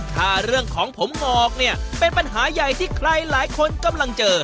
ถ้าเรื่องของผมงอกเนี่ยเป็นปัญหาใหญ่ที่ใครหลายคนกำลังเจอ